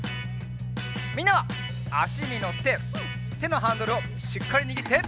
みんなはあしにのっててのハンドルをしっかりにぎって！